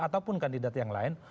ataupun kandidat yang lain